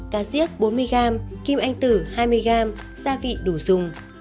cá diếc bốn mươi g kim anh tử hai mươi g gia vị đủ dùng